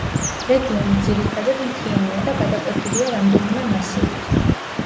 რეგიონი ძირითადად მთიანია და გადაკვეთილია რამდენიმე მასივით.